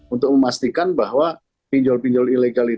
untuk memastikan bahwa pinjol pinjol ilegal itu